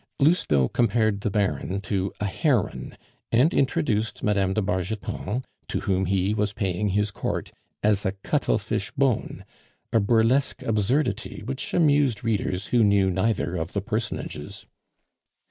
Lousteau compared the Baron to a heron, and introduced Mme. de Bargeton, to whom he was paying his court, as a cuttlefish bone, a burlesque absurdity which amused readers who knew neither of the personages.